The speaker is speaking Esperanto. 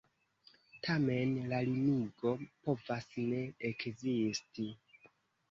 Tamen, la limigo povas ne ekzisti.